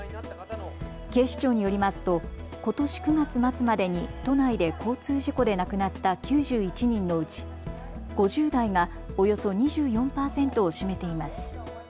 警視庁によりますとことし９月末までに都内で交通事故で亡くなった９１人のうち５０代がおよそ２４％を占めています。